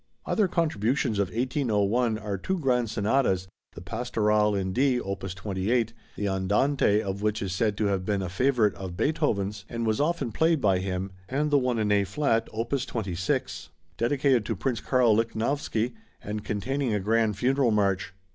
Other contributions of 1801 are two grand sonatas, the "Pastorale" in D, opus 28, the Andante of which is said to have been a favorite of Beethoven's and was often played by him, and the one in A flat, opus 26, dedicated to Prince Karl Lichnowsky and containing a grand funeral march.